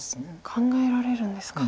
考えられるんですか。